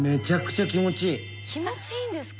気持ちいいんですか？